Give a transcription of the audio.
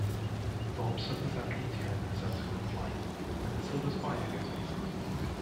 Bob suffers amnesia in their subsequent flight, and the Silver Spider goes missing.